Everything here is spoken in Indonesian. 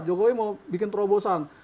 jokowi mau bikin terobosan